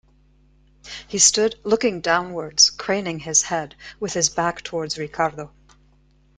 He stood looking downwards, craning his head, with his back towards Ricardo.